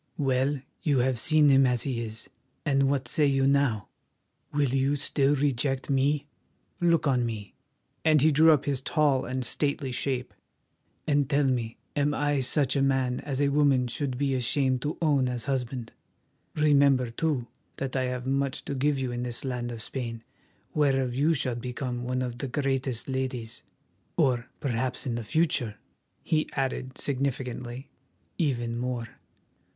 Well, you have seen him as he is, and what say you now? Will you still reject me? Look on me," and he drew up his tall and stately shape, "and tell me, am I such a man as a woman should be ashamed to own as husband? Remember, too, that I have much to give you in this land of Spain, whereof you shall become one of the greatest ladies, or perhaps in the future," he added significantly, "even more.